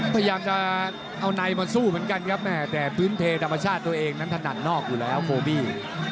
พยายามจะเอาในมาสู้เหมือนกันครับแม่แต่พื้นเพธรรมชาติตัวเองนั้นถนัดนอกอยู่แล้วโบบี้